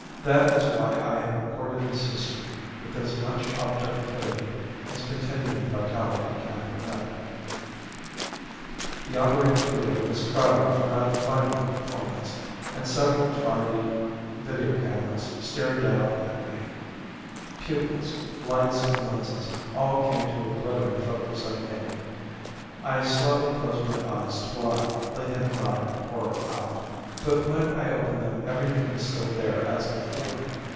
That is why I have recorded this history with as much objectivity as continuing vitality can permit. The operating theatre was crowded for my final performance and several Tri D video cameras stared down at me. Pupils, lights and lenses, all came to a glittering focus on me. I slowly closed my eyes to blot the hypnotic horror out. But when I opened them everything was still there as before.